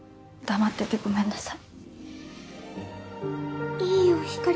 黙っていてごめんなさい。